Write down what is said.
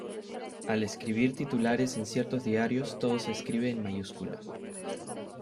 Al escribir titulares en ciertos diarios todo se escribe en mayúsculas.